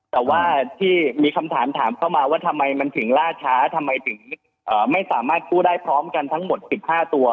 แต่ว่าที่มีคำถามถามเข้ามาว่าทำไมมันถึงล่าช้าทำไมถึงไม่สามารถกู้ได้พร้อมกันทั้งหมด๑๕ตัว